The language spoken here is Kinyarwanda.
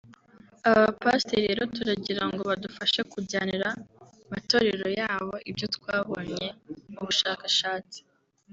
Aba bapasiteri rero turagira ngo badufashe kujyanira matorero yabo ibyo twabonye mu bushakashatsi